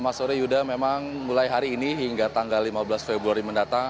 mas soreyuda memang mulai hari ini hingga tanggal lima belas februari mendatang